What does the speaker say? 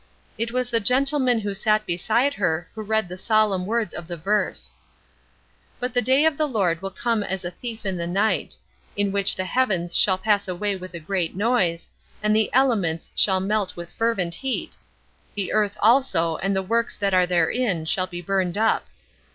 It was the gentleman who sat beside her who read the solemn words of the verse: "But the day of the Lord will come as a thief in the night; in which the heavens shall pass away with a great noise, and the elements shall melt with fervent heat, the earth also and the works that are therein shall be burned up.